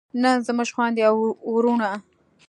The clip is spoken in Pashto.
نن زموږ خویندې او وروڼه